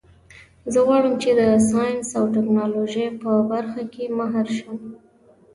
زه غواړم چې د ساینس او ټکنالوژۍ په برخه کې ماهر شم